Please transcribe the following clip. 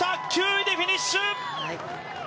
９位でフィニッシュ。